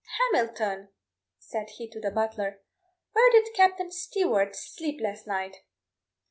"Hamilton," said he to the butler; "where did Captain Stewart sleep last night?"